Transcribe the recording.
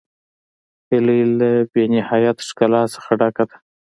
هیلۍ له بېنهایت ښکلا نه ډکه ده